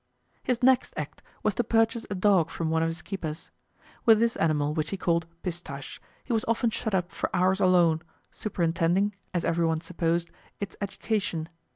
His next act was to purchase a dog from one of his keepers. With this animal, which he called Pistache, he was often shut up for hours alone, superintending, as every one supposed, its education.